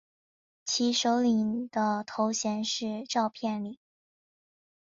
其首领的头衔是召片领。